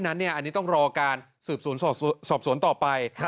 อันนี้ต้องรอการสืบสวนสอบสวนต่อไป